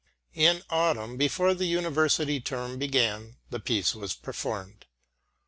In autumn, before the university term began, the piece was performed.